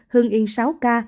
hương yên sáu ca